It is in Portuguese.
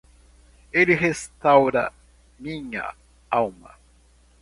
Ele restaura minha alma.